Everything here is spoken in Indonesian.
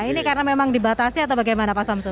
ini karena memang dibatasi atau bagaimana pak samsul